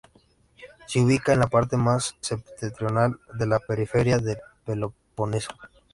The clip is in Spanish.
Se ubica en la parte más septentrional de la periferia de Peloponeso.